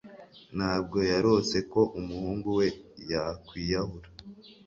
Ntabwo yarose ko umuhungu we yakwiyahura